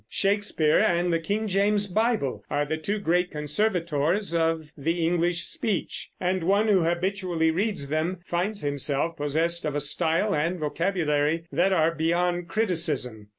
Shakespeare and the King James Bible are the two great conservators of the English speech; and one who habitually reads them finds himself possessed of a style and vocabulary that are beyond criticism.